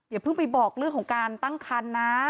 อย่าเพิ่งไปบอกเรื่องของการตั้งคันนะ